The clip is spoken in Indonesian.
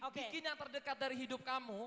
bikin yang terdekat dari hidup kamu